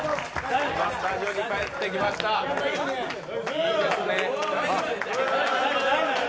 いいですね。